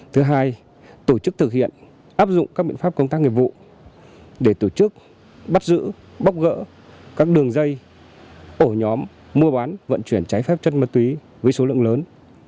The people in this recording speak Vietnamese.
thứ hai tổ chức thực hiện áp dụng các biện pháp công tác nghiệp vụ để tổ chức bắt giữ bóc gỡ các đường dây ổ nhóm mua bán vận chuyển trái phép chất ma túy với số lượng lớn